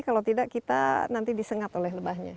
kalau tidak kita nanti disengat oleh lebahnya